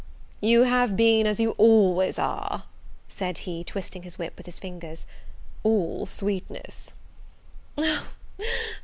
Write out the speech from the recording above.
"You have been, as you always are," said he, twisting his whip with his fingers, "all sweetness."